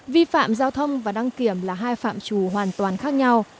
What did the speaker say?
vi phạm giao thông và đăng kiểm là hai phạm trù hoàn toàn khác nhau